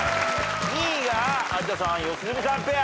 ２位が有田さん・良純さんペア。